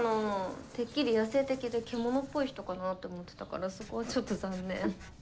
てっきり野性的で獣っぽい人かなって思ってたからそこはちょっと残念。